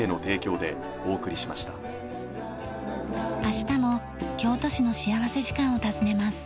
明日も京都市の幸福時間を訪ねます。